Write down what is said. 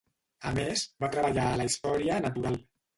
A més, va treballar a la Història natural.